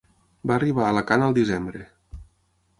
Va arribar a Alacant al desembre.